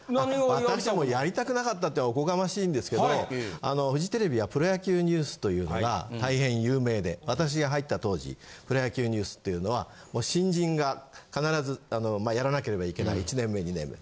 私やりたくなかったっておこがましいんですけどフジテレビはプロ野球ニュースというのが大変有名で私が入った当時プロ野球ニュースっていうのは新人が必ずやらなければいけない１年目２年目。